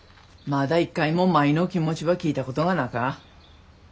まだ一回も舞の気持ちば聞いたことがなか。